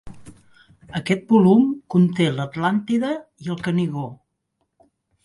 Aquest volum conté "L'Atlàntida" i el "Canigó".